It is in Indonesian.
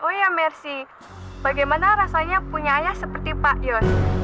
oh iya mersi bagaimana rasanya punya ayah seperti pak yos